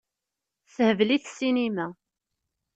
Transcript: Tessehbel-it ssinima.